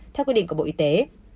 theo quyết định của bộ y tế